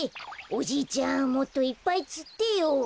おじいちゃんもっといっぱいつってよ。